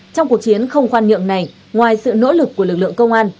trong cuộc chiến không khoan nhượng này ngoài sự nỗ lực của lực lượng công an